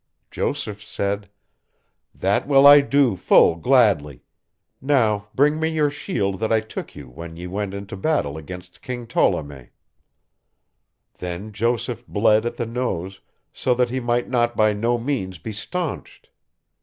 Joseph said: That will I do full gladly; now bring me your shield that I took you when ye went into battle against King Tolleme. Then Joseph bled at the nose, so that he might not by no means be staunched.